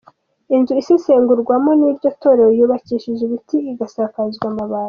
Inzu isengerwamo n’iryo torero yubakishije ibiti, igasakazwa amabati.